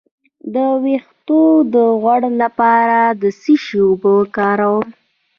د ویښتو د غوړ لپاره د څه شي اوبه وکاروم؟